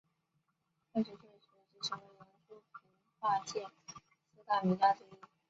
二十岁时即成为扬州评话界四大名家之一。